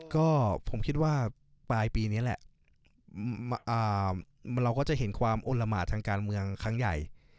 ก็ผมคิดว่าปลายปีนี้แหละเราก็จะเห็นความอ้นละหมาดทางการเมืองครั้งใหญ่